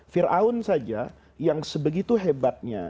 fir'aun saja yang sebegitu hebatnya